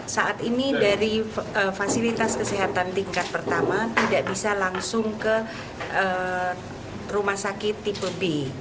saat ini dari fasilitas kesehatan tingkat pertama tidak bisa langsung ke rumah sakit tipe b